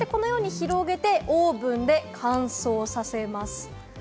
広げてオーブンで乾燥させます。